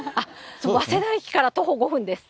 早稲田駅から徒歩５分です。